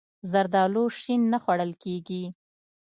زردالو شین نه خوړل کېږي.